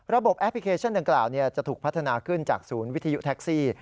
แอปพลิเคชันดังกล่าวจะถูกพัฒนาขึ้นจากศูนย์วิทยุแท็กซี่